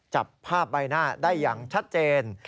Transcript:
จับภาพใบหน้าได้อย่างชัดเจน